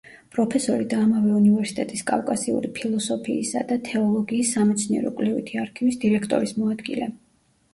პროფესორი და ამავე უნივერსიტეტის კავკასიური ფილოსოფიისა და თეოლოგიის სამეცნიერო-კვლევითი არქივის დირექტორის მოადგილე.